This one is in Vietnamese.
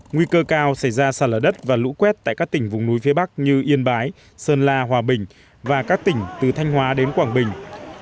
nguy cơ cao xảy ra sạt lở đất và lũ quét tại các tỉnh vùng núi phía bắc như yên bái sơn la hòa bình và các tỉnh từ thanh hóa đến quảng bình